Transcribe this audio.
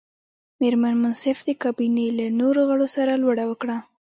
مېرمن منصف د کابینې له نورو غړو سره لوړه وکړه.